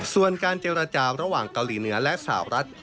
ส่วนการเจรจาระหว่างเกาหลีเหนือและสาวรัฐ